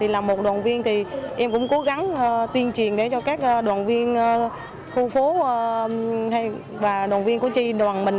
là một đoàn viên thì em cũng cố gắng tuyên truyền để cho các đoàn viên khu phố và đoàn viên của tri đoàn mình